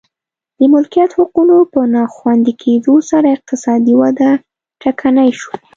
د مالکیت حقونو په ناخوندي کېدو سره اقتصادي وده ټکنۍ شوه.